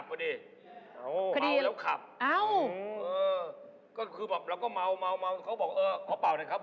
พี่ตีนี่ก็เป็นผู้กองเหมือนกันค่ะ